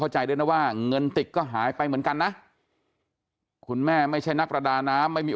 ใจด้วยนะว่าเงินติดก็หายไปเหมือนกันนะคุณแม่ไม่ใช่นักประดาน้ำไม่มี